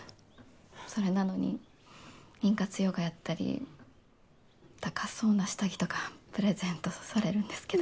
それなのに妊活ヨガやったり高そうな下着とかプレゼントされるんですけど。